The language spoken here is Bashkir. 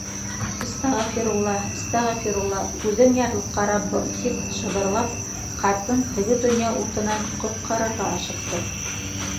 — Әстәғәфирулла, әстәғәфирулла, үҙең ярлыҡа, Раббым, — тип шыбырлап, ҡартын теге донъя утынан ҡотҡарырға ашыҡты.